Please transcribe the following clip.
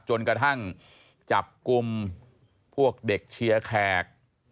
จนกระทั่งจับกลุ่มพวกเด็กเชียร์แขก